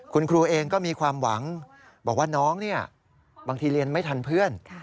คุณครูเองก็มีความหวังบอกว่าน้องเนี่ยบางทีเรียนไม่ทันเพื่อน